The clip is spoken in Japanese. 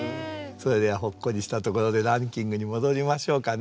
それではほっこりしたところでランキングに戻りましょうかね。